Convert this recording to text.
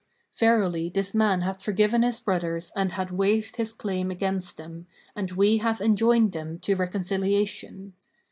Verily, this man hath forgiven his brothers and hath waived his claim against them, and we have enjoined them to reconciliation.